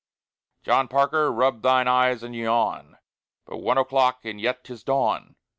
John Parker! rub thine eyes and yawn, But one o'clock and yet 'tis Dawn!